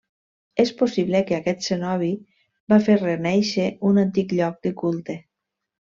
És possible que aquest cenobi va fer renéixer un antic lloc de culte.